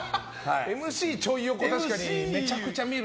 ＭＣちょい横確かにめちゃくちゃ見る。